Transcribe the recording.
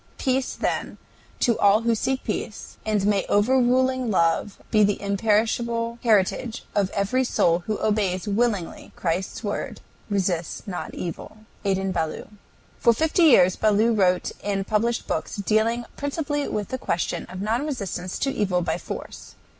Peace, then, to all who seek peace, and may overruling love be the imperishable heritage of every soul who obeys willingly Christ's word, "Resist not evil." ADIN BALLOU. For fifty years Ballou wrote and published books dealing principally with the question of non resistance to evil by force.